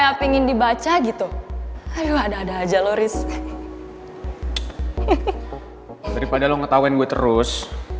enggak ingin dibaca gitu aduh ada ada aja lo riz hehehe daripada lo ketahuin gue terus